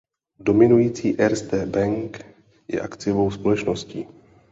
Dominující Erste Bank je akciovou společností.